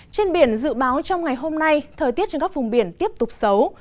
trên biển dự báo trong ngày hôm nay thời tiết trên các vùng biển tiếp tục xấu